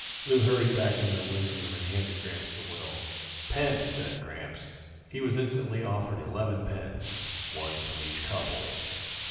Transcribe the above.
Lou hurried back into the living room and handed Gramps the will. "Pen!" said Gramps. He was instantly offered eleven pens, one from each couple.